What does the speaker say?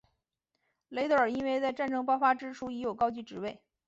雷德尔因为在战争爆发之初已有高级职位。